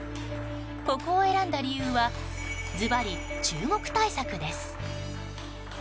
ここを選んだ理由はずばり中国対策です。